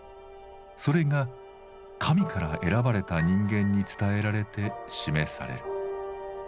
それが神から選ばれた人間に伝えられて示される。